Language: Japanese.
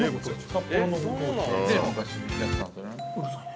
◆札幌のご当地で昔やってたんですよね。